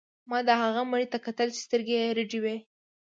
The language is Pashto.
ما د هغه مړي ته کتل چې سترګې یې رډې وې